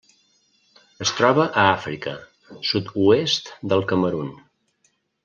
Es troba a Àfrica: sud-oest del Camerun.